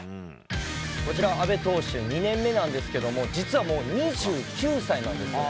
こちら、阿部投手、２年目なんですけれども、実はもう２９歳なんです。